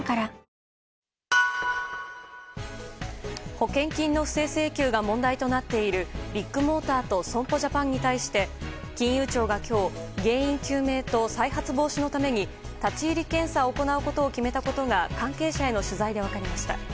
保険金の不正請求が問題となっているビッグモーターと損保ジャパンに対して金融庁が今日原因究明と再発防止のために立ち入り検査を行うことを決めたことが関係者への取材で分かりました。